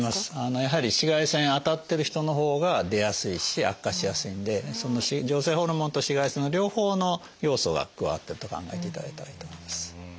やはり紫外線当たってる人のほうが出やすいし悪化しやすいんで女性ホルモンと紫外線の両方の要素が加わってると考えていただいたらいいと思います。